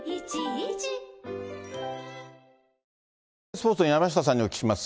スポーツの山下さんにお聞きします。